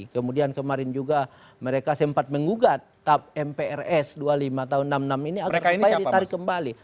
kemudian kemarin juga mereka sempat mengugat tap mprs dua puluh lima tahun seribu sembilan ratus enam puluh enam ini agar supaya ditarik kembali